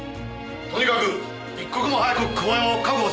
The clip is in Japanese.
とにかく一刻も早く久保山を確保しろ。